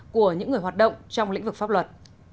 của những người hoạt động trong lĩnh vực pháp luật